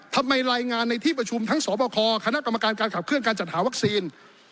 รายงานในที่ประชุมทั้งสอบคอคณะกรรมการการขับเคลื่อนการจัดหาวัคซีน